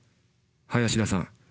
林田さん